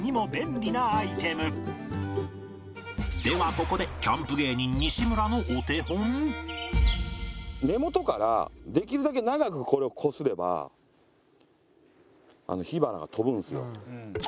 ここでキャンプ芸人西村のお手本根元からできるだけ長くこれをこすれば火花が飛ぶんですよ。